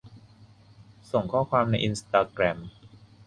ส่งข้อความในอินสตาแกรม